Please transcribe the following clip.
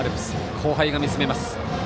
後輩が見つめます。